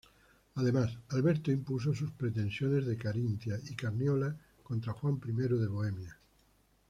Además Alberto impuso sus pretensiones de Carintia y Carniola contra Juan I de Bohemia.